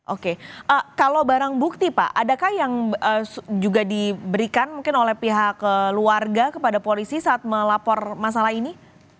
oke kalau barang bukti pak adakah yang juga diberikan mungkin oleh pihak keluarga kepada polisi saat melapor masalah ini